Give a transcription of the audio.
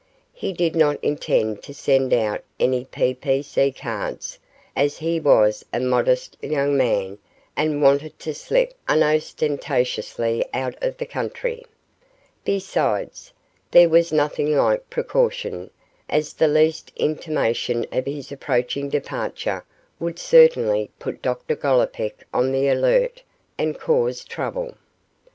He did not intend to send out any P.P.C. cards, as he was a modest young man and wanted to slip unostentatiously out of the country; besides, there was nothing like precaution, as the least intimation of his approaching departure would certainly put Dr Gollipeck on the alert and cause trouble.